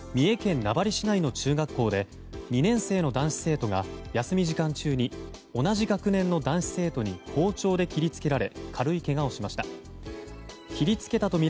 重県名張市内の中学校で２年生の男子生徒が休み時間中に同じ学年の男子生徒に包丁で切り付けられ軽いけがをしました。